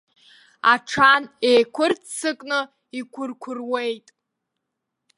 Аҽан еиқәырццакны иқәырқәыруеит.